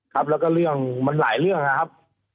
ครับแล้วก็เรื่องมันหลายเรื่องนะครับ